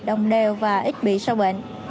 đồng đều và ít bị sâu bệnh